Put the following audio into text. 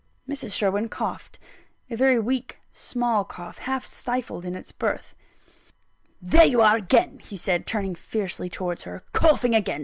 Mrs. Sherwin coughed a very weak, small cough, half stifled in its birth. "There you are again!" he said, turning fiercely towards her "Coughing again!